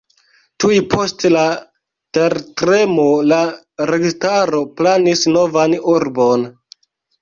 Tuj post la tertremo la registaro planis novan urbon.